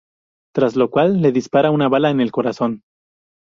Tras lo cual le dispara una bala en el corazón.